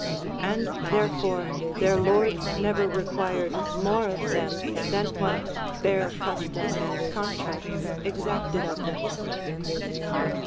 And therefore their lords never required more of them than Avhat bare custom and contracts exacted of them.